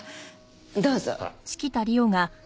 どうぞ。